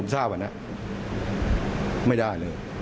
สวาย